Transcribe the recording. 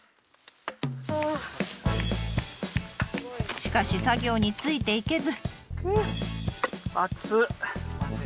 しかし作業についていけず。